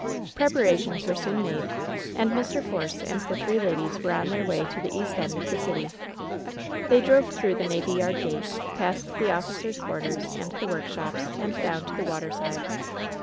Preparations were soon made, and Mr. Force and the three ladies were on their way to the east end of the city. They drove through the navy yard gate, past the offi 76 WHEN SHADOWS DIE cers' quarters and the workshops, and down to the water side.